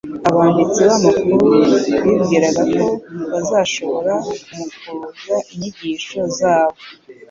abanditsi n'abakuru bibwiraga ko bazashobora kumukuruza inyigisho zabo.